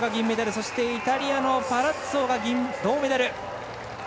そしてイタリアのパラッツォが銅メダル。